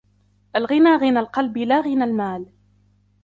الغنى غنى القلب لا غنى المال